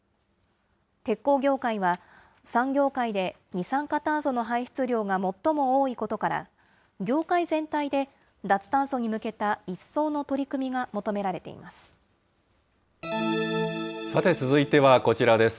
鉄鋼業界は、産業界で、二酸化炭素の排出量が最も多いことから、業界全体で脱炭素に向けた一層の取り組みが求められています。